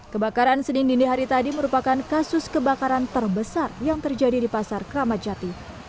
kebakaran senin dindi hari tadi merupakan kasus kebakaran terbesar yang terjadi di pasar kramacati